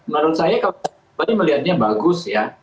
menurut saya kalau melihatnya bagus ya